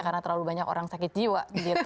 karena terlalu banyak orang sakit jiwa